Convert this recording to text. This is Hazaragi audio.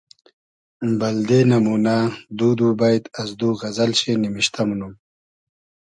بئلدې نئمونۂ دو دو بݷت از دو غئزئل شی نیمشتۂ مونوم